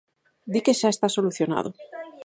Di que xa está solucionado.